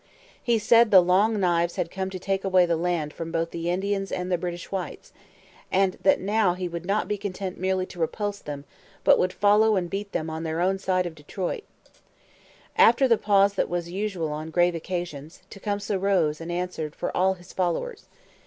He said the Long Knives had come to take away the land from both the Indians and the British whites, and that now he would not be content merely to repulse them, but would follow and beat them on their own side of the Detroit. After the pause that was usual on grave occasions, Tecumseh rose and answered for all his followers.